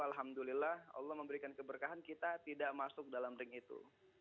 alhamdulillah allah memberikan keberkahan kita tidak masuk dalam ring itu